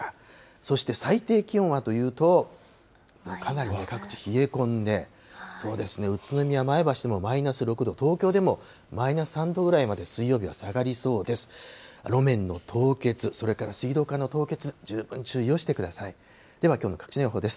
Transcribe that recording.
そして最低気温はというと、かなりね、各地冷え込んで、そうですね、宇都宮、前橋でもマイナス６度、東京でもマイナス３度ぐらいまで水曜日は下がりそうです。